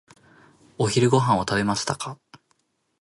お昼ご飯を食べましたか？